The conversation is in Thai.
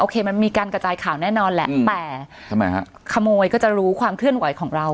มันมีการกระจายข่าวแน่นอนแหละแต่ทำไมฮะขโมยก็จะรู้ความเคลื่อนไหวของเรา